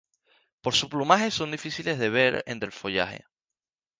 Por su plumaje son difíciles de ver entre el follaje.